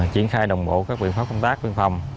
triển khai đồng bộ các quyền pháp công tác bên phòng